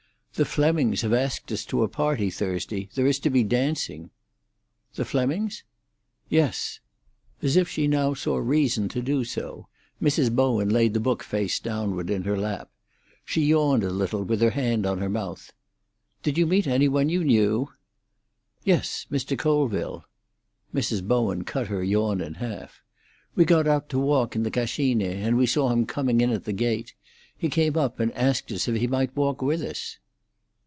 "The Flemmings have asked us to a party Thursday. There is to be dancing." "The Flemmings?" "Yes." As if she now saw reason to do so, Mrs. Bowen laid the book face downward in her lap. She yawned a little, with her hand on her mouth. "Did you meet any one you knew?" "Yes; Mr. Colville." Mrs. Bowen cut her yawn in half. "We got out to walk in the Cascine, and we saw him coming in at the gate. He came up and asked if he might walk with us."